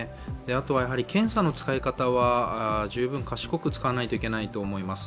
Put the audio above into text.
あとは検査の使い方は十分賢く使わなくてはいけないと思います。